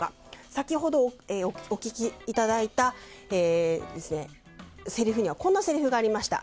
先ほどお聞きいただいたせりふにはこんなせりふがありました。